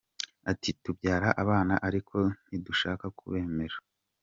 Ati: “Tubyara abana ariko ntidushaka kubemera.